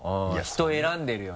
人選んでるよね。